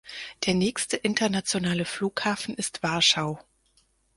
Der nächste internationale Flughafen ist Warschau.